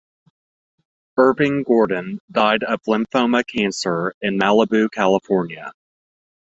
Irving Gordon died of lymphoma cancer in Malibu, California.